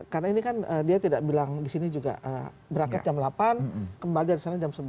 karena ini kan dia tidak bilang di sini juga berangkat jam delapan kembali dari sana jam sebelas